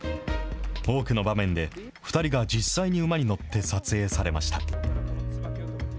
多くの場面で２人が実際に馬に乗って撮影されました。